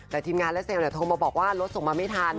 แต่ทีมงานและเซลล์โทรมาบอกว่ารถส่งมาไม่ทัน